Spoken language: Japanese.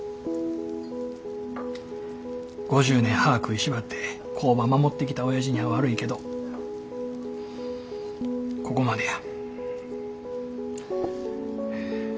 ５０年歯ぁ食いしばって工場守ってきたおやじには悪いけどここまでや。